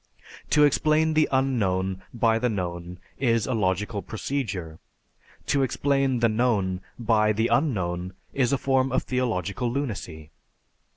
To explain the unknown by the known is a logical procedure; to explain the known by the unknown is a form of theological lunacy.